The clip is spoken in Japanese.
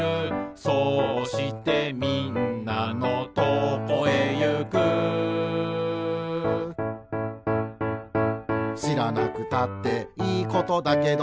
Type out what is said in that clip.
「そうしてみんなのとこへゆく」「しらなくたっていいことだけど」